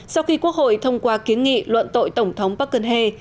sau khi quốc hội thông qua kiến nghị luận tội tổng thống park geun hye